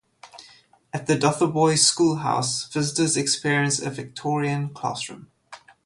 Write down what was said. At Dotheboys Schoolhouse visitors experience a Victorian classroom.